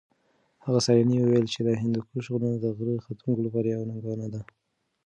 هغه سېلاني وویل چې د هندوکش غرونه د غره ختونکو لپاره یوه ننګونه ده.